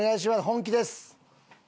本気です。